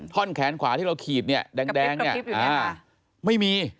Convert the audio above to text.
ท่อนแขนขวาที่เราขีดเนี่ยแดงเนี่ยไม่มี